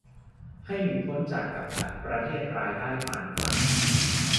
ให้หลุดพ้นจากกับดักประเทศรายได้ปานกลาง